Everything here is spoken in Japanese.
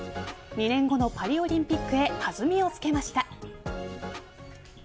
２年後のパリオリンピックへ弾みをつけました。